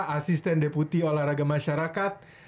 asisten deputi olahraga masyarakat